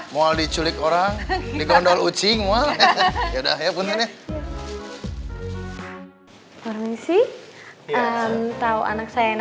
mau diculik orang di gondol ucing ya udah ya pun ya permisi tahu anak saya namanya reva rambutnya